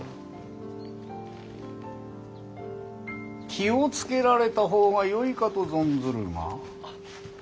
気を付けられた方がよいかと存ずるが。